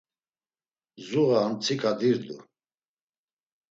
Zuğa ar mtsika dirdu.